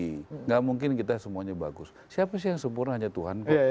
tidak mungkin kita semuanya bagus siapa sih yang sempurna hanya tuhan